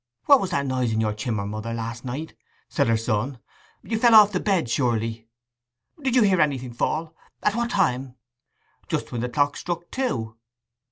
'What was that noise in your chimmer, mother, last night?' said her son. 'You fell off the bed, surely?' 'Did you hear anything fall? At what time?' 'Just when the clock struck two.